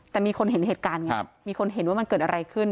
แต่มีคนเห็นเหตุการณ์ไงมีคนเห็นว่ามันเกิดอะไรขึ้น